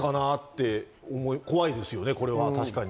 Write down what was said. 怖いですよね、これは。